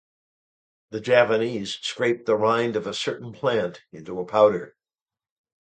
The Javanese scrape the rind of a certain plant into a powder.